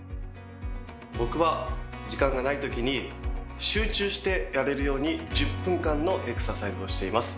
僕は時間がないときに集中してやれるように１０分間のエクササイズをしています。